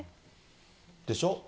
でしょ。